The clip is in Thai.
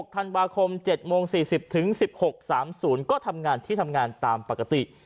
ธันวาคม๗โมง๔๐๑๖๓๐ก็ทำงานที่ทำงานตามปกติ